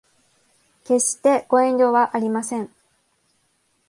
決してご遠慮はありません